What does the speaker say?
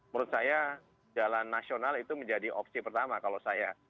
menurut saya jalan nasional itu menjadi opsi pertama kalau saya